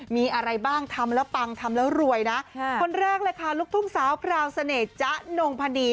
มีอะไรบ้างทำแล้วปังทำแล้วรวยนะคนแรกเลยค่ะลูกทุ่งสาวพราวเสน่ห์จ๊ะนงพนี